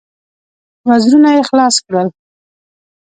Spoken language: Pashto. وزرونه يې خلاص کړل.